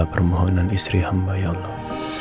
kabulkanlah segala permohonan istri hamba ya allah